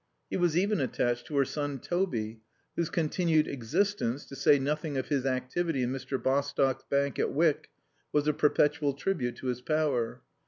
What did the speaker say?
He was even attached to her son Toby, whose continued existence, to say nothing of his activity in Mr. Bostock's Bank at Wyck, was a perpetual tribute to his power.